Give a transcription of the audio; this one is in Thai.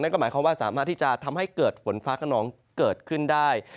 ก็หมายความว่าสามารถที่จะทำให้เกิดฝนฟ้าขนองเกิดขึ้นได้